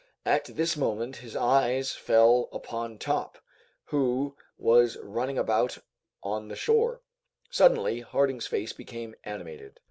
At this moment his eyes fell upon Top, who was running about on the shore. Suddenly Harding's face became animated.